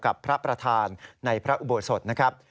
กับพระประธานในพระอุโบสถนะครับ